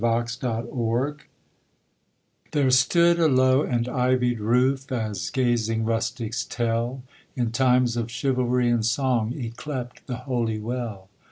TREHILL WELL There stood a low and ivied roof, As gazing rustics tell, In times of chivalry and song 'Yclept the holy well.